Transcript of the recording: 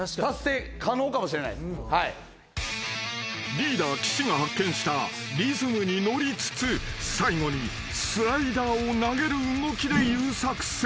［リーダー岸が発見したリズムに乗りつつ最後にスライダーを投げる動きで言う作戦］